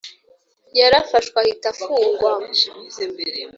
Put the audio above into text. Yarafashwe ahita afungwa